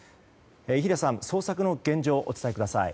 伊平さん、捜索の現状をお伝えください。